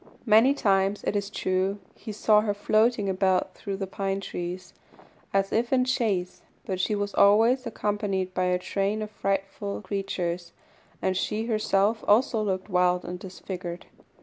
Many times, it is true, he saw her floating about through the pine trees, as if in chase, but she was always accompanied by a train of frightful creatures, and she herself also looked wild and disfigured.